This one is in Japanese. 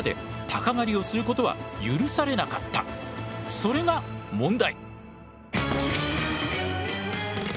それが問題！